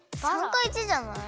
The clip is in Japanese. ③か①じゃない？